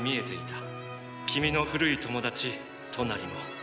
君の古い友達トナリも。